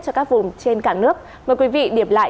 cho các vùng trên cả nước mời quý vị điểm lại